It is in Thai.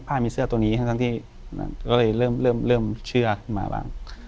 พ่ายมีเสื้อตัวนี้ทั้งทั้งที่ก็เลยเริ่มเริ่มเริ่มเชื่อมาบ้าง